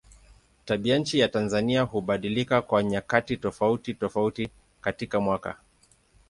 Tabianchi ya Tanzania hubadilika kwa nyakati tofautitofauti katika mwaka.